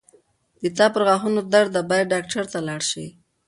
د تا پرغاښونو درد ده باید ډاکټر ته لاړ شې